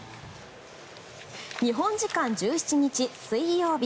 日本時間１７日、水曜日。